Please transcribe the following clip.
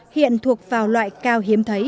hiện thuộc vào loại cao hiếm thấy